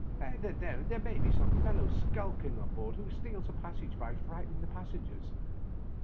There may be some fellow skulking on board, who steals a passage by frightening the passengers.